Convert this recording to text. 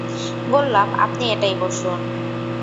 বললাম, আপনি এটায় বসুন।